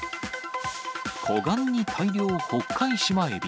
湖岸に大量ホッカイシマエビ。